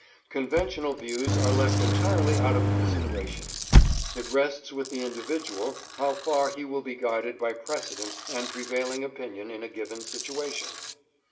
Conventional views are left entirely out of consideration. It rests with the individual how far he will be guided by precedent and prevailing opinion in a given situation.